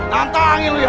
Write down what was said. tantangin lu ya